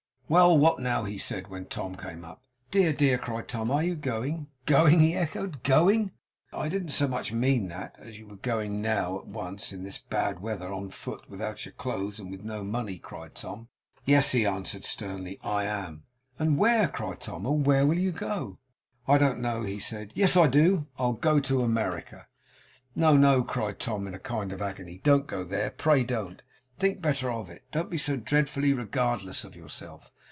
'Well! what now?' he said, when Tom came up. 'Dear, dear!' cried Tom, 'are you going?' 'Going!' he echoed. 'Going!' 'I didn't so much mean that, as were you going now at once in this bad weather on foot without your clothes with no money?' cried Tom. 'Yes,' he answered sternly, 'I am.' 'And where?' cried Tom. 'Oh where will you go?' 'I don't know,' he said. 'Yes, I do. I'll go to America!' 'No, no,' cried Tom, in a kind of agony. 'Don't go there. Pray don't. Think better of it. Don't be so dreadfully regardless of yourself.